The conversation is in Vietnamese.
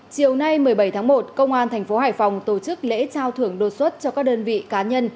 chiều nay một mươi bảy tháng một công an thành phố hải phòng tổ chức lễ trao thưởng đột xuất cho các đơn vị cá nhân